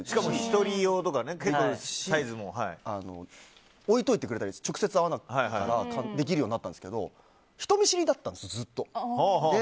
１人用サイズとか置いといてくれたり直接会わないからできるようになったんですけど人見知りだったんです、ずっと。